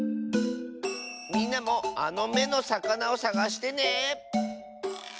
みんなもあの「め」のさかなをさがしてね。